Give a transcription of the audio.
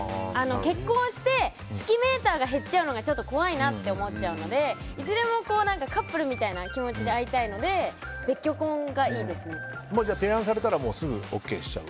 結婚して、好きメーターが減っちゃうのがちょっと怖いなと思っちゃうのでいつでもカップルみたいな気持ちで会いたいので提案されたらすぐＯＫしちゃう？